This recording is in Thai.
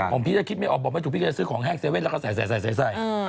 ผมพี่จะคิดไม่ออกบอกไม่ถูกพี่จะซื้อของแห้งเซเว่นแล้วก็ใส่